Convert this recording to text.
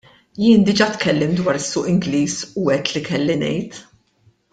Jien diġa' tkellimt dwar is-suq Ingliż u għidt li kelli ngħid.